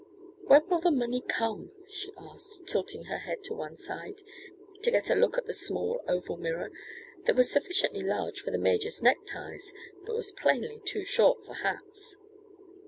"When will the money come?" she asked, tilting her head to one side to get a look in the small oval mirror, that was sufficiently large for the major's neckties, but was plainly too short for hats.